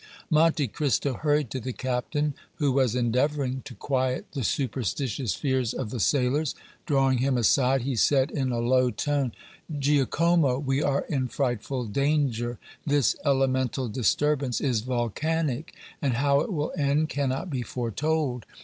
Monte Cristo hurried to the captain, who was endeavoring to quiet the superstitious fears of the sailors. Drawing him aside, he said, in a low tone: "Giacomo, we are in frightful danger. This elemental disturbance is volcanic, and how it will end cannot be foretold.